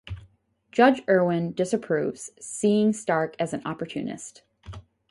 Judge Irwin disapproves, seeing Stark as an opportunist.